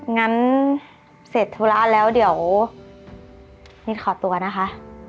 งั้นเสร็จธุระแล้วเดี๋ยวนี้ขอตัวนะคะ